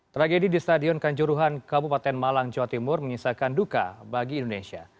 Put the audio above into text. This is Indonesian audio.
tragedi di stadion kanjuruhan kabupaten malang jawa timur menyisakan duka bagi indonesia